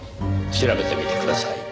調べてみてください。